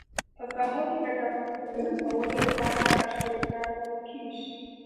په ساحه کې د کمبر د چک کولو لپاره تختې کارول کیږي